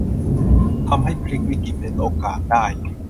ทำให้พลิกวิกฤตเป็นโอกาสได้